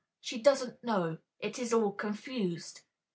she doesn't know ... it is all confused_."